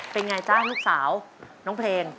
เป็นไรจัทศุกร์เสียวน้องเพลล